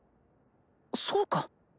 そうか。